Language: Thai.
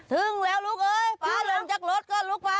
ถึงแล้วลุ๊กเอ๊ป๊าเร็วจากรถด้วยลุ๊กป๊า